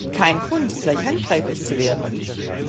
Kein Grund, gleich handgreiflich zu werden!